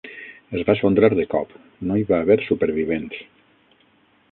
Es va esfondrar de cop; no hi va haver supervivents.